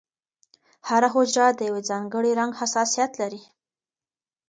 هره حجره د یو ځانګړي رنګ حساسیت لري.